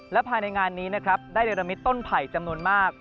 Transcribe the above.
และภายในงานนี้ได้เรียนรัมมิตรต้นไผ่จำนวนมาก